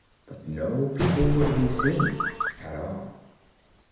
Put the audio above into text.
But no people were to be seen at all.